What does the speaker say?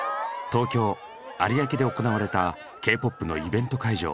東京・有明で行われたＫーＰＯＰのイベント会場。